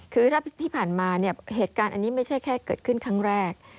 คือถ้าที่ผ่านมาเนี่ยเหตุการณ์อันนี้ไม่ใช่แค่เกิดขึ้นครั้งแรก